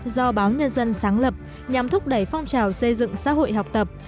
do báo nhân dân sáng lập nhằm thúc đẩy phong trào xây dựng xã hội học tập